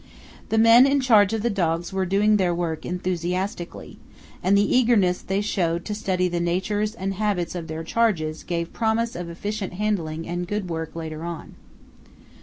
The men in charge of the dogs were doing their work enthusiastically, and the eagerness they showed to study the natures and habits of their charges gave promise of efficient handling and good work later on.